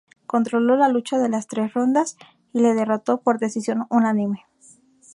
Controló la lucha en las tres rondas y le derrotó por decisión unánime.